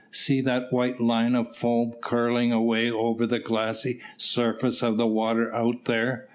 "See that white line of foam curling away over the glassy surface of the water out there.